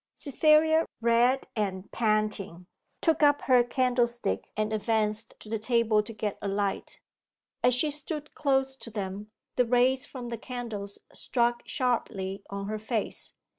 Cytherea, red and panting, took up her candlestick and advanced to the table to get a light. As she stood close to them the rays from the candles struck sharply on her face.